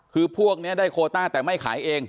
คือพวกนี้ได้โคต้าแต่ไม่ขายเอง